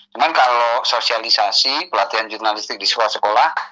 cuman kalau sosialisasi pelatihan jurnalistik di sekolah sekolah